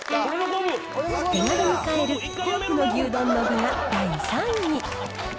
手軽に買えるコープの牛丼の具が第３位。